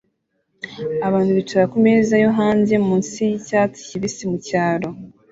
Abantu bicara kumeza yo hanze munsi yicyatsi kibisi mucyaro